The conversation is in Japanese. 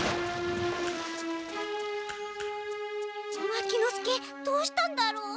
牧之介どうしたんだろう？